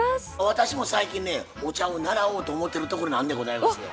私も最近ねお茶を習おうと思ってるところなんでございますよ。